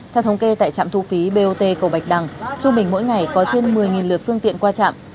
theo thống kê tại trạm thu phí bot cầu bạch đằng trung bình mỗi ngày có trên một mươi lượt phương tiện qua trạm